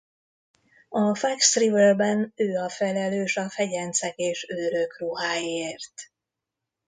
A Fox Riverben ő a felelős a fegyencek és őrök ruháiért.